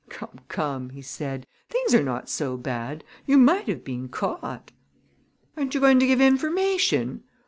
"Come, come!" he said. "Things are not so bad. You might have been caught!" "Aren't you going to give information?"